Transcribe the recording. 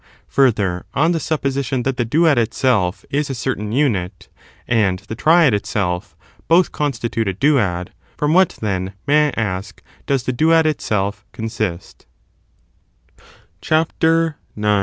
Further, on the supposition that the duad itself is a certain unit, and the triad itself, both constitute a duad, fi:om what, then, may I ask, does the duad itself consist 1 CHAPTER IX.